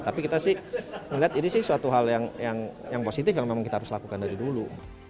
tapi kita sih melihat ini sih suatu hal yang positif yang memang kita harus lakukan dari dulu